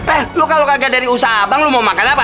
eh lu kalau kagak dari usaha abang lo mau makan apa